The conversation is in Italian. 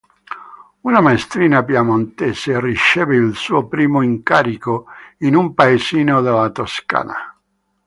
Una maestrina piemontese riceve il suo primo incarico in un paesino della Toscana.